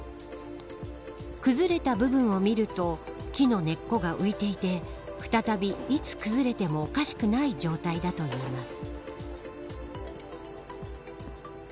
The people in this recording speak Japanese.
崩れた部分を見ると木の根っこが浮いていて再び、いつ崩れてもおかしくない状態だといいます。